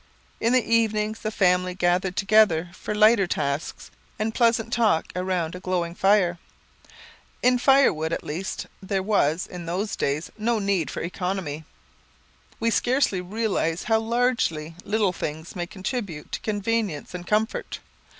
In the evenings, the family gathered together for lighter tasks and pleasant talk around a glowing fire. In firewood, at least, there was, in those days, no need for economy. We scarcely realize how largely little things may contribute to convenience and comfort.